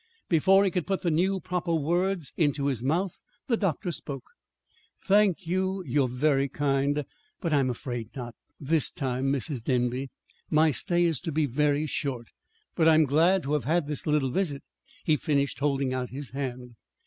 Before he could put the new, proper words into his mouth, the doctor spoke. "Thank you. You're very kind; but I'm afraid not this time, Mrs. Denby. My stay is to be very short. But I'm glad to have had this little visit," he finished, holding out his hand.